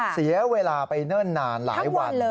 เสียเวลาไปเนิ่นนานหลายวัน